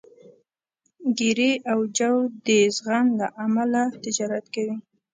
ګېري او جو د زغم له امله تجارت کوي.